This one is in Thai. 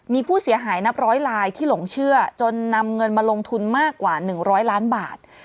มีผู้เสียหายนับร้อยลายที่หลงเชื่อจนนำเงินมาลงทุนมากกว่า๑๐๐ล้านบาท